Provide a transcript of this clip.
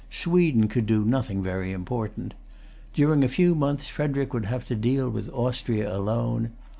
Sweden could do nothing very important. During a few months Frederic would have to deal with Austria alone.